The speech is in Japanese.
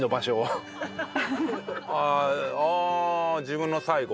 ああ自分の最後？